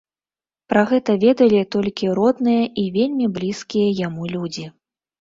Пра гэта ведалі толькі родныя і вельмі блізкія яму людзі.